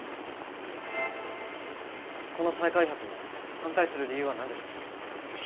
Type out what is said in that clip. この再開発に反対する理由は何でしょう？